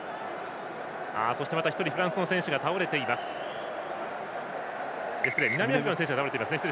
そしてまた１人南アフリカの選手が倒れています。